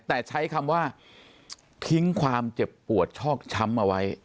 แต่ใช้คำว่าทิ้งความเจ็บปวดชอกช้ำเอาไว้